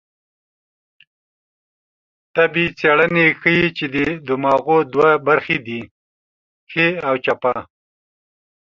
طبي څېړنې ښيي، چې د دماغو دوه برخې دي؛ ښۍ او چپه